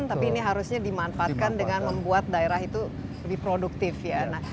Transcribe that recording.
tapi ini harusnya dimanfaatkan dengan membuat daerah itu lebih produktif ya